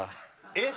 えっ？